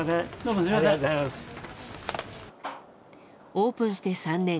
オープンして３年。